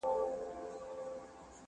خدای دي نه کړي څوک عادت په بدي چاري!.